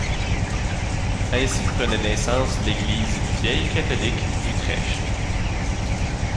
Ainsi prenait naissance l'Église vieille-catholique d'Utrecht.